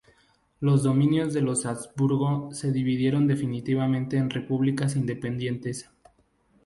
Los dominios de los Habsburgo se dividieron definitivamente en repúblicas independientes.